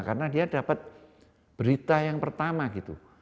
karena dia dapat berita yang pertama gitu